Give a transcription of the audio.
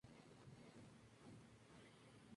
Mary y Molly se cambiaron a una división de infantería.